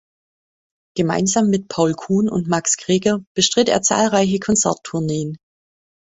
Gemeinsam mit Paul Kuhn und Max Greger bestritt er zahlreiche Konzerttourneen.